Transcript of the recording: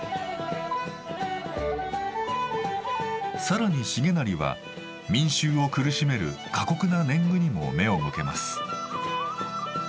さらに重成は民衆を苦しめる過酷な年貢にも目を向けます。